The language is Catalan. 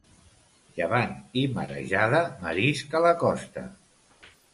Llevant i marejada, marisc a la costa.